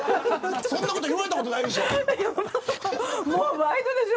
そんなこと言われたことないでしょ。